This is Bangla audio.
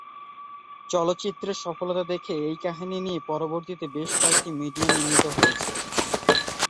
চলচ্চিত্রের সফলতা দেখে এই কাহিনী নিয়ে পরবর্তীতে বেশ কয়েকটি মিডিয়া নির্মিত হয়েছে।